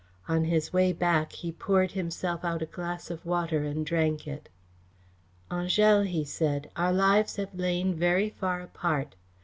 On his way back he poured himself out a glass of water and drank it. "Angèle," he said, "our lives have lain very far apart.